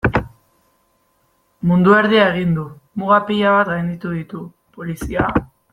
Mundu erdia egin du, muga pila bat gainditu ditu, polizia...